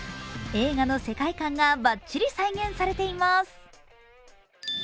映画の世界観がバッチリ再現されています。